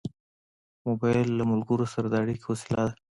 موبایل له ملګرو سره د اړیکې وسیله ده.